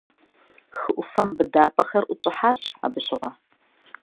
Хы Ӏуфэм быдапӀэхэр ӀутщӀыхьащ абы щыгъуэ.